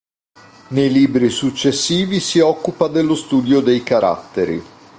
Nei libri successivi si occupa dello studio dei caratteri.